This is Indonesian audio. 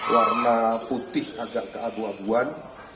warna putih agak keabu abuan